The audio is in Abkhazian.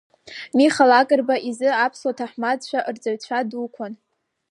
Миха Лакрба изы аԥсуа ҭаҳмадцәа рҵаҩцәа дуқәан.